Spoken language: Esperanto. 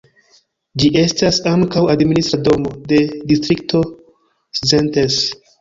Ĝi estas ankaŭ administra domo de Distrikto Szentes.